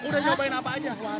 udah nyobain apa aja